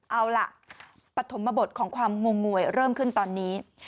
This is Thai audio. เอาล่ะปฐมบทของความงงงวยเริ่มขึ้นตอนนี้